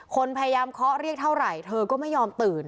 คนพยายามเคาะเรียกเท่าไหร่เธอก็ไม่ยอมตื่น